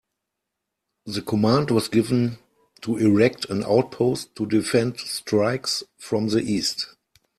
The command was given to erect an outpost to defend strikes from the east.